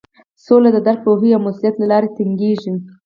سوله د درک، پوهې او مسولیت له لارې ټینګیږي.